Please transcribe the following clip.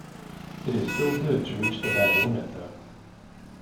It is still good to reach the bag limit though.